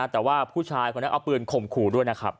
แต่ว่าผู้ชายคนนั้นเอาปืนข่มขู่ด้วยนะครับ